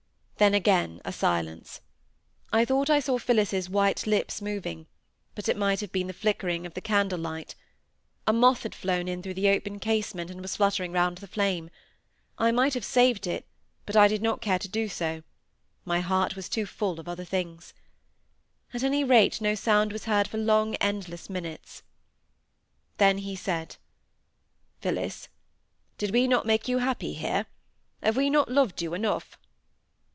Then again a silence. I thought I saw Phillis's white lips moving, but it might have been the flickering of the candlelight—a moth had flown in through the open casement, and was fluttering round the flame; I might have saved it, but I did not care to do so, my heart was too full of other things. At any rate, no sound was heard for long endless minutes. Then he said,—"Phillis! did we not make you happy here? Have we not loved you enough?"